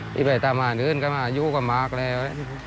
ที่ไปทำอาณื้อนก็มาอยู่กับมากแล้ว